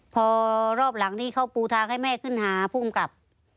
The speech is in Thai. พอรอบหลังนี้เขาปูทางให้แม่ขึ้นหาผู้กำกับ